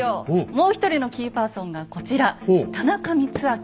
もう一人のキーパーソンがこちら田中光顕。